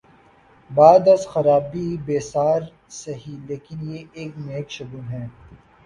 بعد از خرابیء بسیار سہی، لیکن یہ ایک نیک شگون ہے۔